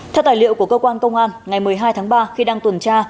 theo tài liệu của cơ quan công an ngày một mươi hai tháng ba khi đang tuần tra